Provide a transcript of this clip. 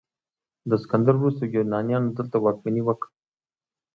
د اسکندر وروسته یونانیانو دلته واکمني وکړه